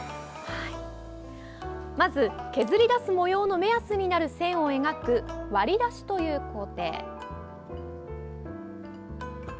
まず、削り出す模様の目安になる線を描く割り出しという工程。